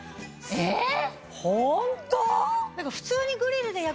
えっ！